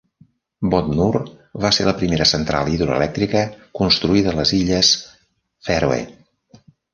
Botnur va ser la primera central hidroelèctrica construïda a les illes Fèroe.